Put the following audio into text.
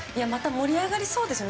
盛り上がりそうですね。